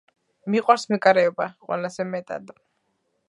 მიყვარს მეკარეობა ყველაზე მეტად